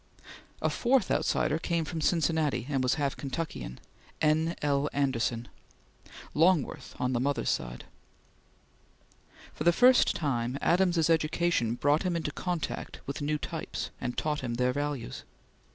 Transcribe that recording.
A fourth outsider came from Cincinnati and was half Kentuckian, N. L. Anderson, Longworth on the mother's side. For the first time Adams's education brought him in contact with new types and taught him their values.